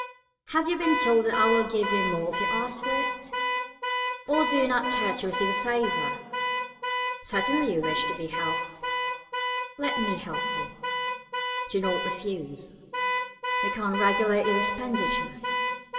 Have you been told that I will give you more if you ask for it. Or do you not care to receive a favor. Certainly you wish to be helped. Let me help you. Do not refuse me. You can regulate your expenditure.